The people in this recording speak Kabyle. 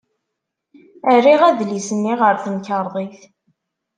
Rriɣ adlis-nni ɣer temkarḍit.